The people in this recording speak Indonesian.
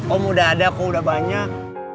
om udah ada kok udah banyak